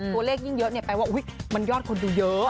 ตัวเลขยิ่งเยอะแปลว่ามันยอดคนดูเยอะ